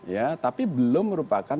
ya tapi belum merupakan